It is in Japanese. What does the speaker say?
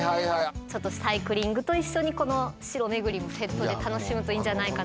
ちょっとサイクリングと一緒にこの城巡りもセットで楽しむといいんじゃないかと思うんですよね。